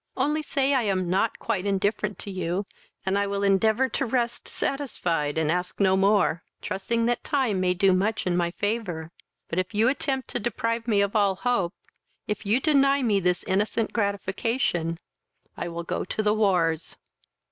Only say I am not quite indifferent to you, and I will endeavour to rest satisfied, and ask no more; trusting that time may do much in my favour; but, if you attempt to deprive me of all hope, if you deny me this innocent gratification, I will go to the wars."